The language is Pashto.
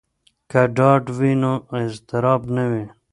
که ډاډ وي نو اضطراب نه وي.